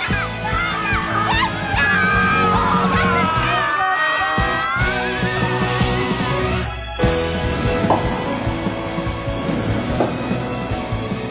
やったー！